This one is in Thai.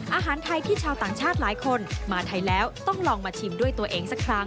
อาหารไทยที่ชาวต่างชาติหลายคนมาไทยแล้วต้องลองมาชิมด้วยตัวเองสักครั้ง